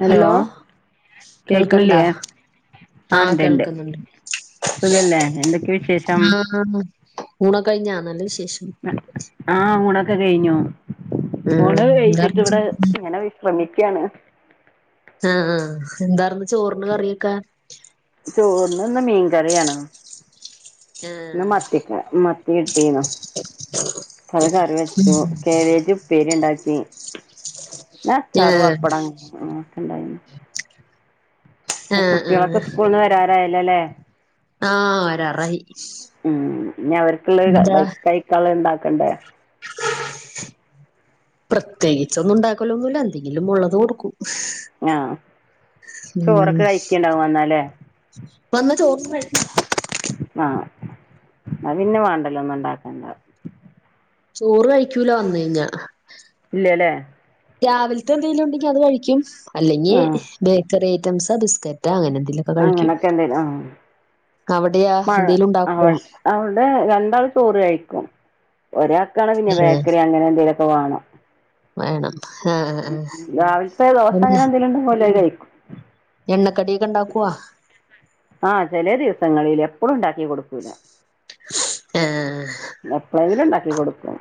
Hello കേൾക്ക്‌ണില്ലേ കേൾക്കണ്ടാ ആ ആഹ് ഇണ്ട് ണ്ട് കേൾക്കുന്നുണ്ട് സുഖല്ലേ എന്തൊക്കെ വിശേഷം ഉണ്ട് ഇപ്പയിഞ്ഞാ നല്ല വിശേഷം ക്കെ കഴിഞ്ഞോ ഉം ഊണൊക്കെ കഴിച്ചിട്ട് എന്താർന്ന് ഇവടെ ചോറിന് വിശ്രമി ഇരിക്കാണ് ആ ആ എന്താറുന്നു ചോറിന് കറിയൊക്കെ ചോർന് ഇന്ന് മീൻ കറിയാണ് ഇന്ന് ആഹ് മത്തി ക മത്തി കിട്ടിനി അത് കറി വെച്ചു കാബേജ് ഉപ്പേരിണ്ടാക്കി പിന്നെ അച്ചാറും ആഹ് പപ്പടം അങ്ങനെ ഇണ്ടായിനീ പ്പം ആഹ് കുട്ട്യേളൊക്കെ സ്കൂൾ ന് വരാനായല്ലോ ഇല്ലലെ ആ വരാറായി ഉം ഇനി അവര്ക്ക്‌ളേ വഴി കഴിക്കാനുള്ള ഇണ്ടാക്കാ കണ്ടേ പ്രത്യേകിച്ച് ഒന്നും ഇണ്ടാക്കലൊന്നുല്ല എന്തെങ്കിലും ഉള്ളത് കൊടുക്കും ആഹ് ചോറൊക്കെ ഉം കഴിക്കിണ്ടാകു വന്നാല്ലേ [unintelligible] ആ ആ പിന്നെ വേണ്ടല്ലോ ഒന്നുണ്ടാക്കണ്ട ചോറ് കഴിക്കൂല വന്നയിഞ്ഞാൽ. ഇല്ലല്ലേ രാവിൽ തെ എന്തെങ്കിലുണ്ടങ്കിൽ അത് കഴിക്കും അല്ലെങ്കിൽ ആഹ് ബേക്കറി [unintelligible] ബിസ്ക്കറ്റാ അങ്ങനെന്തെ അങ്ങനെക്കണ്ടല്ലേ ആഹ് ആഹ് അവിടെയാ ആഹ് മഴ എന്തേലും ഉണ്ടാക്കുവോ അവി അവിടെ രണ്ടാളും ചോറ് കഴിക്കും ഒരാക്കാണ് പിന്നെ ഏഹ് ബേക്കറി അങ്ങനെ ന്തേലും [unintelligible] വേണം വേണം ആഹ് ആഹ് രാവിലത്തെ ദോശ എണ്ണ അങ്ങനെ ന്തേലും ഉണ്ടാവോലോ അല്ലെ എണ്ണക്കടിയൊക്കെ ഉണ്ടാക്കുവോ ആഹ് ചേലെ ദിവസങ്ങളിൽ എപ്പളും ണ്ടാക്കി കൊടുക്കൂല [inaudible] എപ്പോളെങ്കിലും ണ്ടാക്കും കികൊടുക്കും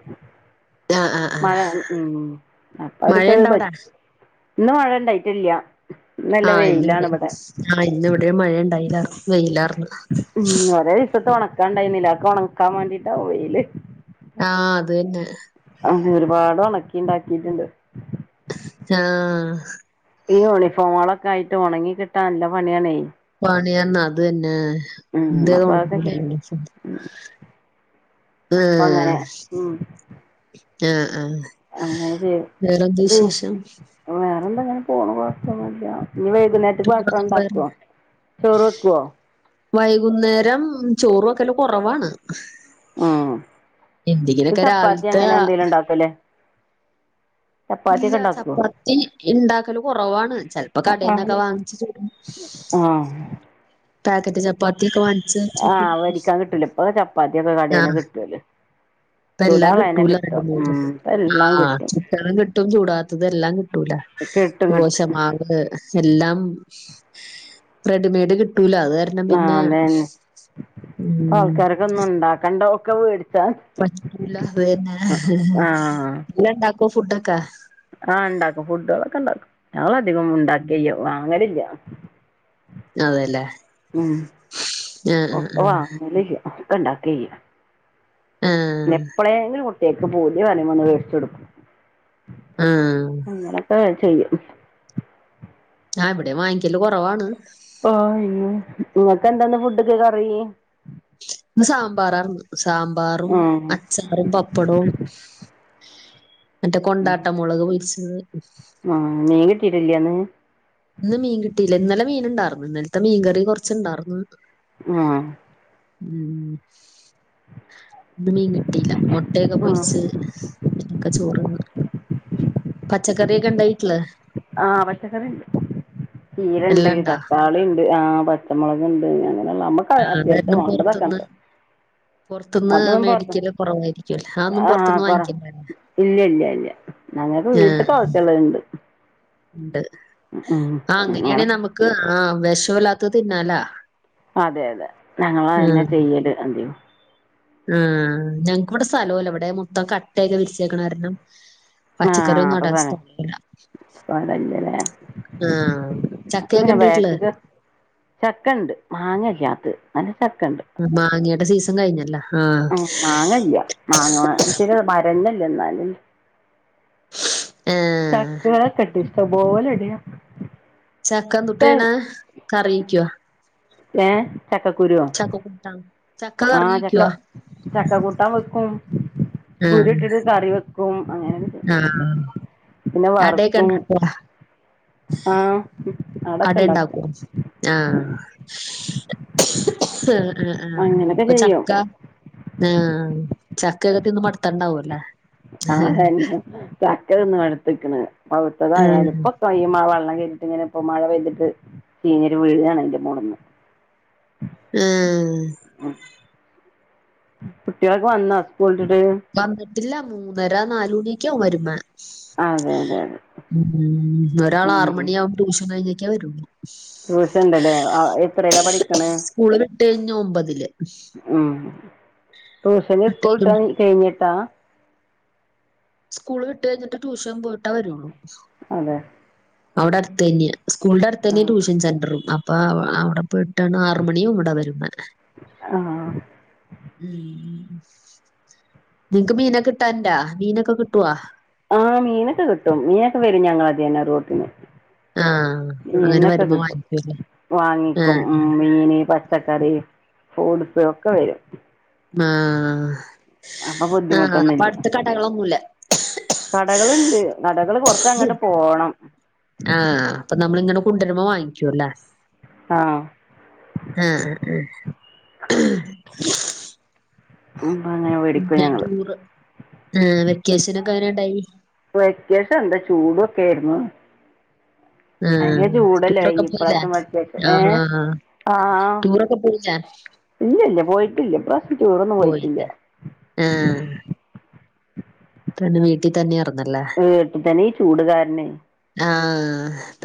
ആഹ് ആഹ് മഴ ആഹ് ഉം അപ്പ അവരിക്കത് മഴയുണ്ടോ പ അവിടെ ഇന്ന് മഴ ണ്ടായിട്ടില്ല ആ ഇന്ന് ഇവിടെ ആ ഇന്ന് ഇവിടെ ഒരു മഴ ഉണ്ടായില്ല ആർന്ന് വെയിലാർന്നു [unintelligible] [unintelligible] ആ അത് തന്നെ ഒരുപാട് ഒണക്കി ണ്ടക്കിട്ടുണ്ട് ആ ഈ യൂണിഫോമുകളൊക്കെ ആയിട്ട് ഉണങ്ങി കിട്ടാൻ നല്ല പണിയാണേ പണിയന്ന അത് തന്നെ ഉം അപ്പൊ അതൊക്കെ ചെയ്- [unintelligible] അപ്പൊ അങ്ങനെ ആഹ് ആഹ് [unintelligible] ആഹ് [unintelligible] വേറെന്താ വിശേഷം ഇങ്ങനെ പോണൂ കൊഴപ്പൊന്നൂല്ല ഇനി വൈകുന്നേരത്തക്ക് ഭക്ഷണം ടൂറൊക്കെ പോയാരുന്നോ ഇണ്ടാക്കുവോ ചോറ് വെക്കുവോ വൈകുന്നേരം ചോറൊക്കെല് കൊറവാണ് ഉം [unintelligible] എന്തെങ്കിലൊക്കെ ചപ്പാത്തി രാവിലത്തെ അങ്ങനെ എന്തെലും ഇണ്ടാക്കൂല്ലേ ഇല്ല ചപ്പാത്തി ഇണ്ടാക്കല് കൊറവാണ് ചെലപ്പോ കടേന്നൊക്കെ വാങ്ങിച്ച് ചുടും ആ പാക്കറ്റ് ചപ്പ് [unintelligible] വാങ്ങിച്ച് ആ ചുടും വരിക്കാൻ കിട്ടൂല ഇപ്പൊ ചപ്പാത്തിയൊക്കെ കടേന്ന് കിട്ടുവല്ലോ ഇപ്പ എല്ലാം കിട്ടൂല്ല റെഡിമെയ്ഡ് ഇപ്പൊ എല്ലാം ആഹ് കിട്ടും ചുട്ടതും കിട്ടും ചൂടാത്തതും എല്ലാം കിട്ടൂല്ല കിട്ടും കിട്ടും ദോശമാവ് എല്ലാം റെഡിമേഡ് കിട്ട് ആ അതെന്നേ ഇപ്പ ഉം ആൾക്കാര്ക്ക് ഒന്നും ഇണ്ടാക്കണ്ടോ ക്കെ വേടിച്ച് പറ്റൂല അത് തന്നെ എല്ല ഇണ്ടാക്ക് ഫുഡ് ഒക്കെ ആ ഉണ്ടാക്കും ഫുഡുകളൊക്കെ ഉണ്ടാക്കും ഞങ്ങള് അടു അധികം ഒന്നും ഉണ്ടാക്കലില്ല വാങ്ങലില്ല ആ അതേല്ലേ ആ ഇപ്പൊ വാങ്ങലില്ല ഒക്കെ ഇണ്ടാക്കെയ്യും ആഹ് എപ്പോളെലും പ്പ പൂതി വരുമ്പോ മേടിച്ചു കൊടുക്കും ആഹ് ആഹ് അങ്ങനെയൊക്കെ ചെയ്യും ആഹ് ഇവിടീം വാങ്ങിക്കല് കൊറവാണ് ആഹ് ഇങ്ങക്ക് എന്താണ് ഫുഡ് ക്ക് കറി ഇന്ന് സാമ്പാറാര്ന്നു സാമ്പാറും ആഹ് അച്ചാറും പപ്പടവും [inaudible] ഉം മൊളക് പൊരിച്ചത് ആഹ് മീൻ കിട്ടീട്ടില്ല ഇന്ന് ഇന്ന് മീൻ കിട്ടിയില്ല ഇന്നലെ മീൻ ഇണ്ടായിർന്നു ഇന്നലത്തെ മീൻകറി കൊറച്ചുണ്ടാർന്ന് ആഹ് ഉം ഇന്ന് മീൻ കിട്ടീല്ല. മൊട്ടയൊക്കെ ആഹ് പൊര്ച്ച് പിന്നൊക്ക ചോറൊന്ന് പച്ചക്കറികെണ്ടോ വീട്ടില് ആഹ് പച്ചക്കറിണ്ട് ചീരണ്ട് എല്ലാം ഇണ്ടാ തക്കാളി ഉണ്ട് ആഹ് പച്ചമൊളക്ണ്ട് അങ്ങനെള്ള നമ്മക്ക് ക്ക ആഹ് അത് അത്യാവശ്യ കാരണം പൊറത്ത്ന്ന് വേണ്ടതൊക്കെണ്ട്. പൊറത്ത്ന്ന് അതൊന്നും പൊർത്ത. മേടിക്കല് കൊറവായിരിക്കുംല്ലേ അതൊന്നും ആഹ് പൊറത്ത്ന്ന് കൊറ വാങ്ങിക്കലില്ലല്ലേ ഇല്ല ഇല്ല ഇല്ല ഞങ്ങൾക്ക് വീട്ട്ക്ക് ആവ്സ്യള്ളണ്ട് ഉണ്ട് ആ അങ്ങനെയാണെ അങ്ങനൊക്കെ നമുക്ക് ആഹ വിഷല്ലാത്ത തിന്നാലാ അതെ അതെ ഞങ്ങൾന്നെ ചെയ്യല് എന്ത ആ ഞങ്ങക്ക് ഇവിടെ സ്ഥലമില്ല ഇവിടെ മൊത്തം കട്ടായൊക്കെ വിരിച്ചേക്കണ കാരണം ആഹ പച്ചക്കറിയൊന്നും അപ്പൊ നടാൻ സ്ഥലവുല്ല സ്ഥലയില്ലല്ലേ ആഹ് ചക്കയൊക്കെ പിന്നെ ഇണ്ട് വീട്ടില് ബേക്കക്കെ ചക്കണ്ട് മാങ്ങ ഇല്ല്യ മാങ്ങയുടെ സീ സൺ കഴിഞ്ഞല്ല? ഉം മാങ്ങല്ല മാങ്ങാ മാ ര്ത്തിന്റെ മരന്നെയ് എന്നാലും ഏഹ് [unintelligible] തബോലെണ്ട് യാ ചക്കന്തുട്ടായ്യ്ണേ കറ്യേക്കോ? ഏഹ് ചക്കക്കുരോ. ചക്കക്കൂട്ടാൻ ചക്ക ആ കറി ചക്ക വെക്കുവാ ചക്കകൂ ട്ടാൻ വെക്കും. ആഹ് കുരുയിട്ടിട്ട് കറി വെക്ക് ക്കും അങ്ങനൊക്കെ. ആഹ് പിന്നെ അടയൊക്കെ വറുക്കും. ഉണ്ടാക്കുവോ ആഹ് അടൊക്കെ ഉണ്ടാക്കും അടേണ്ടാക്കും ആഹ് ഏ ഏ അങ്ങനൊക്കെ പ്പ ചെയ്യും ചക്ക ആഹ് ചക്കയൊക്കെ തിന്ന് മടിത്ണ്ടാവുല്ലേ? ആതെന്നെ ചക്ക തിന്ന് മട്ത്ത്ക്ക്ണ് പഴുത്തതായാലും ആഹ് ഇപ്പൊക്കയിൻമേ വെള്ളം വെലുതിങ്ങനെപ്പം മഴ പെയ്തിട്ട് ചീഞ്ഞിട് വീഴാണ് അയിന്റെ മോളിന്ന്. ആഹ് കുട്ട്യാളൊക്കെ വന്നോ സ്കൂൾട്ട്? ട്ട് ഇല്ല മൂന്നര നാലുമണിയൊക്കെ ആവും വരുമ്മേ. അതെ അതെ അതെ ഉം ഒരാളാറുമണിയാകും ട്യൂഷൻ കഴിഞ്ഞേ ക്കാവരുളു. ട്യൂഷണ്ട്ല്ലേ ആഹ് എത്രേലാ പഠിക്ക്ണേ സ്കൂള് വിട്ട് കഴിഞ്ഞ് ഒമ്പതില് ഉം ട്യൂഷന് വിട്ട് സ്കൂള് ട്ട് കഴിഞ്ഞ് കഴിഞ്ഞിട്ടാ? സ്കൂള് വിട്ട് കഴിഞ്ഞിട്ട് ട്യൂഷൻ പോയിട്ടേ വരുളൂ അതെ അവിടെ അടുത്ത് തന്നെ ആ സ്കൂളിന്റടുത്തന്നെയാ ആഹ് ട്യൂഷൻ സെന്ററും അപ് അപ്പാ അ അവിടെ പോയിട്ടാണ് ആറുമണിയാകും ഇവിടെ വരന്നെ. ആഹ് ഉം നിങ്ങക്ക് മീൻ കിട്ടാറുണ്ടോ മീനൊക്കെ കിട്ടോ ആ മീനൊക്കെ കിട്ടും മീനൊക്കെ വരും ഞങ്ങളെ ഇതിലെ റോട്ടിന് ആഹ് അങ്ങനെ മീനൊക്കെ വരുമ്പോ കിട്ടും വാങ്ങിക്കുവല്ലേ വാങ്ങിക്കും ആഹ് മീൻ പച്ചക്കറി ഫ്രൂട്ട്സ് ഒക്കെ വരും ആ അപ്പൊ ആ അപ്പൊ അടുത്ത് കടകൾ ഒന്നും ഇല്ല കടകൾ ഉണ്ട് കടകൾ കൊറ- കുറച്ചു അങ്ങട്ട് പോണം ഇങ്ങട്ട് കൊണ്ടൊരുമ്പോ വാങ്ങിക്കും ലെ ആ ആ ആ അങ്ങനെ വേടിക്കും ഞങൾ വെക്കേഷൻ ഒക്കെ എങ്ങനെ ഉണ്ടായി വെക്കേഷൻ എന്താ ചൂട് ഒക്കെ ആയിരുന്നു ആഹ് ഭയങ്കരം ചൂടല്ലേ ഈ ടൂറൊക്കെ പോയില്ലേ പ്രാവശ്യം വെക്കേഷന് ഏ ആഹ് ആ ടൂറൊക്കെ പോയില്ലേ ഇല്ലല്ലാ പോയിട്ടില്ലഈ പ്രാവശ്യം ടൂർ ഒന്നും പോയി പോയിട്ടില്ല വീട്ടി തന്നെ ആയിരുന്നു വീട്ടിത്തന്നെ ഈ ചൂട് കാരണെ ആ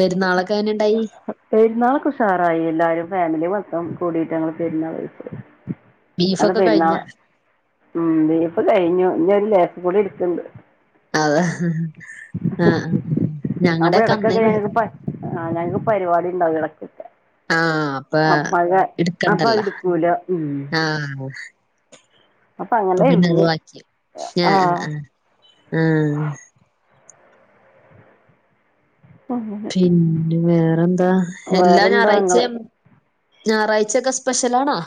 പെരുന്നാൾ ഒക്കെ ഉഷാറായി എല്ലാരും ഫാമിലി വന്ന് കൂടിട്ട് ഞങ്ങൾ പെരുന്നാൾ കഴിക്കൽ അത് ബീഫൊക്കെ പെരുന്നാൾ കഴിഞ്ഞോ? ഉം ബീഫ് കഴിഞ്ഞു ഇനി ഒരു ലേ- കൂടിം ഇരിക്ക്‌ണ്ട് അതാ ആ ആ ഞങ്ങടെ ഒക്കെ അന്നേ തീർന്നു ആ ഞങ്ങക്ക് പരിപാടി ഉണ്ടാകും ഇടക്കൊക്കെ ആഹ് അപ്പ അപ്പോ അത് ഇട്ക്കണ്ടല്ലോ ഇടക്കൂല ആഹ് അപ്പൊ പിന്നെ അത് ബാക്കിയാകും ആഹ് ആ ആ അങ്ങനെ പിന്നെ വേറെന്താ എല്ലാ വേറെന്താ ഇങ്ങളെ ഞായറാഴ്ചയും ഞായറാഴ്ച ഒക്കെ സ്പെഷ്യൽ ആണോ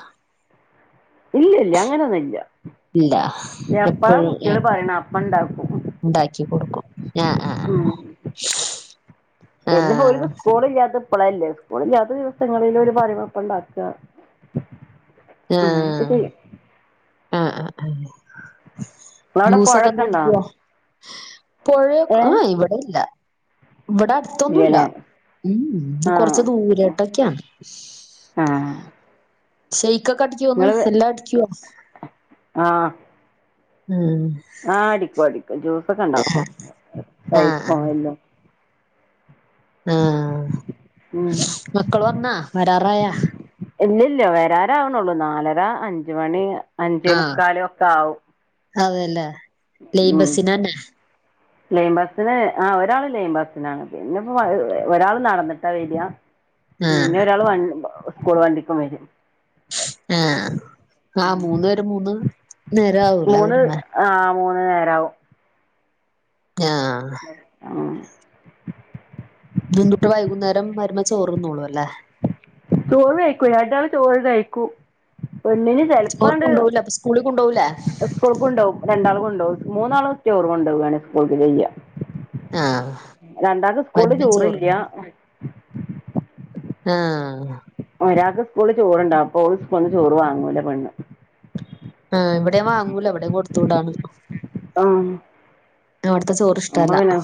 ഇല്ലല്ലാ അങ്ങനെ ഒന്നും ഇല്ല ഇല്ല എപ്പളാ എപ്പഴും കുട്ടികൾ ഏഹ് പറയുന്നത് അപ്പൊ ഉണ്ടാക്കും ഇണ്ടാക്കി കൊടുക്കും അ ആ ആ ഉം പിന്നെപ്പോ ഓൽക്ക്‌ സ്കൂളില്ലാത്തപ്പോ പ്പളല്ലേ സ്കൂൾ ഇല്ലാത്ത ദിവസങ്ങളില് ഓൽ പറയുമ്പപ്പം ഇണ്ടാക്ക അങ്ങനെ ആഹ് ഒക്കെ ചെയ്യും ആഹ് നിങ്ങളവിടെ ജൂസൊക്കെ പുഴയൊക്കെ ഉണ്ടോ ന്നടിക്കോ പൊഴേക് ഏ ആഹ് അവടെ ഇല്ല വടെ അട്ത്തൊന്നൂല ഇല്ലല്ലേ മ് മ് ആ കൊറച്ച് ദൂരായ്ട്ടെക്കാണ് ആ [unintelligible] ക്കക്കടിക്യോന്ന് എല്ലാം അടിക്ക്യോ? ആഹ് ഉം ആഹ് അടിക്കും അടിക്കും ജോ ഒക്കെ ഇണ്ടാക്കും ആഹ് തയ്ക്കും ആഹ് എല്ലും ആഹ് ഉം. മക്കള് വന്നാ വരാറായാ ഇല്ല വരാനാവ്ണൊള്ളു നാലര അഞ്ച്മണി ആഹ് അഞ്ചേമുക്കാല് ഒക്കാവും അതെല്ലേ ലെയിൻ ബസ്സിനാണ് ലെയിൻ ബസ്സിന് ആഹ് ഒരാള് ലെയിൻ ബസ്സിനാണ് പിന്നെ പ്പോ ഒരാള് നടന്നിട്ടാ വെരാ. ആഹ് പിന്നൊരാള് വ [unintelligible] സ്കൂൾ വണ്ടിക്കും വെരും. ആഹ് ആ മൂന്ന് പേരും മൂന്ന് നേരാവുല്ലോ മൂന്ന് വര്ന്നേ ആ മൂന്ന് നേരാവും. ആഹ് ബസ്സിനാ ത്ന്ന്ത്ട്ട് [unintelligible] വൈകുന്നേരം വര്ഭം ചോറ്ന്നോളു അല്ലേ ചോറ് വെയ്ക്കൂല [unintelligible] ഡാള് ചോറ് കയിക്കും. പെണ്ണിന് ചോറ് ചെലപ്പണ്ട് കൊണ്ടോവൂല അപ്പൊ സ്കൂളിൽ കൊണ്ടോവൂലേ സ്കൂൾക്ക് കൊണ്ടോഉം രണ്ടാള് കൊണ്ടോഉം മൂന്നാളും ചോറ് കൊണ്ടോ ആണ് സ്കൂൾക്ക് ചെയ്യാ. ആഹ് രണ്ടാക്ക് സ്കൂള്ല് വരുമ്പം ചോറ് ചോറ്ല്ല ആഹ് ഒരാക്ക് സ്കൂള്ല് ചോറ്ണ്ടപ്പൊ ഓള് സ്കൂൾന്ന് ചോറ് വാങ്ങൂല പെണ്ണ് ആഹ് ഇവടേം വാങ്ങൂല ഇവടേം കൊട്ത്ത് വിടാണ്. ആഹ് അവിടുത്തെ ചോറ് [unintelligible] ഇഷ്ടല്ല പിന്നെ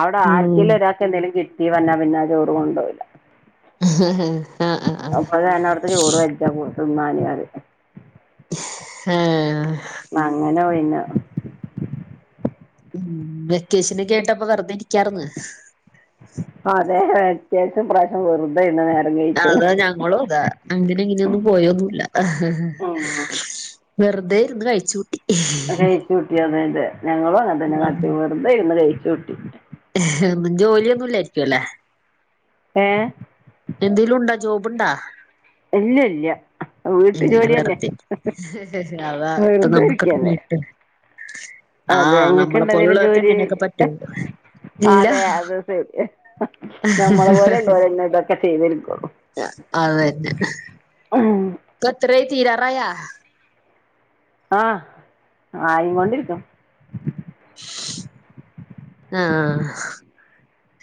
അവടെ ഉം ആർക്കേലും ഒരാൾക്ക് എന്തേലും കി ട്ടി പറഞ്ഞാ ചോറ് കൊണ്ടോവൂല ആഹ് ആഹ് ആഹ് അവൻ പറയും അവിടുത്തെ ചോറ് കഴിക്കാൻ കൊള്ളുലാ തിന്നാന് പറയും ആഹ് അങ്ങനെ പോയിന്ന മ് വെക്കേഷനെക്കെ ആയിട്ട് വെറുതെ ഇരിക്കാർന്ന് അതെ വെക്കേഷൻ ഇപ്രാവശ്യം വെറുതെന്ന നേര അതെ ഞങ്ങളും അതെ അൺ അങ്ങിനെ ഒന്നും പോയോന്നുല്ല ആഹ് ആഹ് ഉം വെറുതെ ഇരുന്ന് കഴിച്ച് കൂട്ടി കഴിച്ച് കുട്ടി അതെ അതെ ഞങ്ങളും അങ്ങനെ തന്നെ കാട്ടിയത് വെറുതെ ഇരുന്ന് കയി ടി ന്നെ ഇന്ന്ജോലി ഒന്നും ഇല്ലായിരിക്ക ലോ എഹ് എന്തേലും ജോബ് ഇണ്ടാ? ഇല്ല ഇല്ലാ ഇല്ല വെറുതെ അതാ വെറുതെ നമ്മുക്ക് ഓകെ ഇരിക്കന്നെ വിട്ട് അതെ ഇങ്ങക്ക് ഇണ്ടാ ഏതങ്കിലും ജോലി എങ്ങനെയൊക്കെ പറ്റോ ഇല്ല അതെ അത് ശരി നമ്മളെ പോലുള്ളവരെ ഇതക്കെ ചെയ്തിരിക്കുള്ളു നിക്ക് എത്രയായി തീരാറായോ ആഹ് ആയിക്കൊണ്ടിരികുണു ആഹ്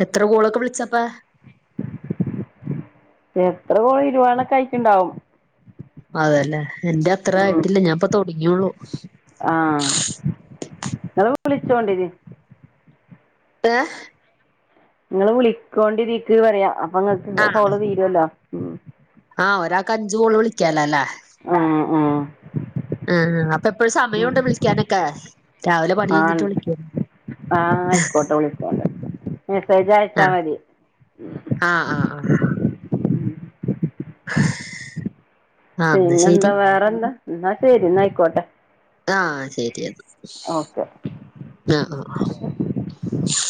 എത്ര കോൾഓകെ വിളിച്ചപ്പോ എത്ര കോൾ ഇരുപതെണ്ണം ക്കെ ആയിട്ട് ഉണ്ടാവു അതെല്ലേ എന്റെ അത്ര ആയിട്ടില്ല ഞാൻ ഇപ്പോ തൊ ങ്ങെള്ളൂ ആഹ് ഇങ്ങള് വിളിച്ച് കൊണ്ടിരി എ ഇങ്ങള് വിളികോണ്ടി ഇതിക്ക് അപ്പോ ഇങ്ങക്ക് ആഹ് കോൾ തിരോല്ലോ മ്മ് അഞ്ച് കോൾ വിളിക്കല്ലേ ലൊ ആഹ് ആഹ് അഹ് അപ എപ്പഴു സമയൂണ്ട് വിളിക്കാനൊക്കെ ആ മെസേജ് അയച്ചാ ആഹ് മതി ആഹ് ആഹ് ആഹ് ആഹ് എന്നാ ശരി പിന്നെന്താ വേറെന്താ ന്നാ തരി ഇന്നായിക്കോട്ടെ ആഹ് ശെരിയത് ഓക്കെ അഹ് അഹ് ശ്